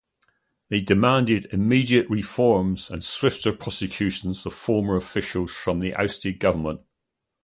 They demanded immediate reforms and swifter prosecution of former officials from the ousted government.